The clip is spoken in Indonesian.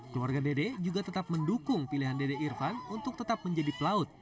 keluarga dede juga tetap mendukung pilihan dede irfan untuk tetap menjadi pelaut